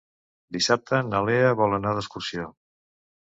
Dissabte na Lea vol anar d'excursió.